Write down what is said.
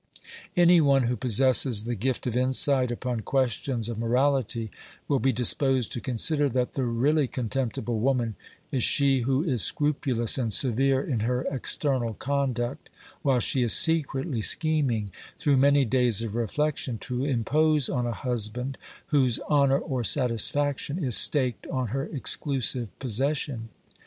Any one who possesses the gift of insight upon questions of morality will be disposed to consider that the really con temptible woman is she who is scrupulous and severe in her external conduct, while she is secretly scheming, through many days of reflection, to impose on a husband whose honour or satisfaction is staked on her exclusive possession.